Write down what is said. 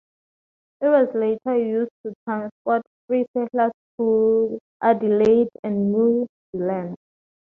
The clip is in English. It was later used to transport free settlers to Adelaide and New Zealand.